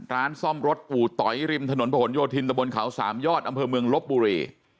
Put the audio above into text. ร้านซ่อมรถปู่ต๋อยริมถนนผนโยธินตะบนเขาสามยอดอำเภอเมืองลบบุรี